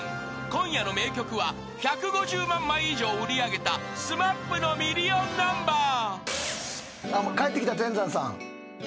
［今夜の名曲は１５０万枚以上売り上げたＳＭＡＰのミリオンナンバー］